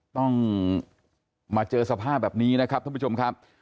ต้องมาเจอสภาพแบบนี้นะครับท่านผู้ชมครับ